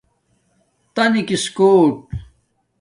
تنگس کݸٹ